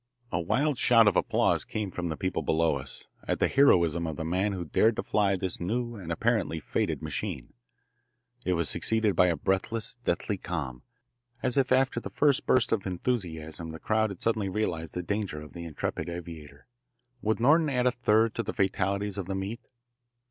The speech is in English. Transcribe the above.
A wild shout of applause came from the people below us, at the heroism of the man who dared to fly this new and apparently fated machine. It was succeeded by a breathless, deathly calm, as if after the first burst of enthusiasm the crowd had suddenly realised the danger of the intrepid aviator. Would Norton add a third to the fatalities of the meet?